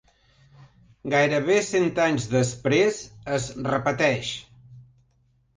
Gairebé cent anys després es repeteix.